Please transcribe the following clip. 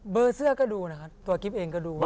เบอร์เสื้อก็ดูนะครับตัวกิ๊บเองก็ดูว่า